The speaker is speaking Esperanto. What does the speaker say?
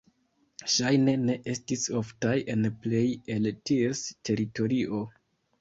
Ŝajne ne estis oftaj en plej el ties teritorio.